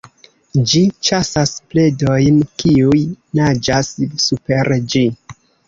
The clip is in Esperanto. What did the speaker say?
Ĝi ĉasas predojn, kiuj naĝas super ĝi.